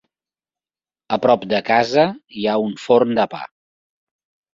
A prop de casa hi ha un forn de pa.